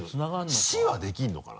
「Ｃ」はできるのかな？